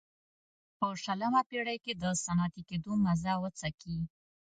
په شلمه پېړۍ کې د صنعتي کېدو مزه وڅکي.